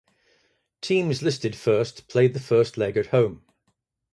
Teams listed first played the first leg at home.